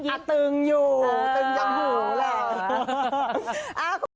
อาตึงอยู่แหละ